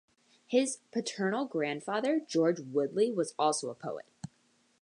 His paternal grandfather George Woodley was also a poet.